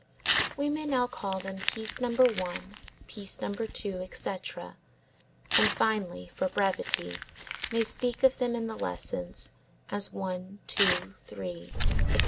We may now call them piece number one; piece number two, etc., and finally, for brevity, may speak of them in the lessons as one, two, three, etc.